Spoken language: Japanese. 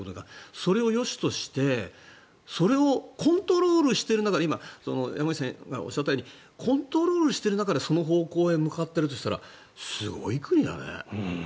それをよしとしてそれをコントロールしている中で今、山口さんがおっしゃったようにコントロールしている中でその方向に向かっているとしたらすごい国だね。